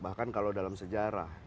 bahkan kalau dalam sejarah